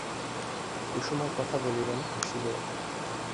কুসুম আর কথা বলিল না, হাসিলও না।